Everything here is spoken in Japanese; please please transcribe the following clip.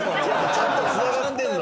ちゃんと繋がってんのよ。